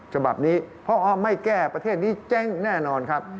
ฉบับนี้พอไม่แก้ประเทศนี้เจ๊งแน่นอนครับ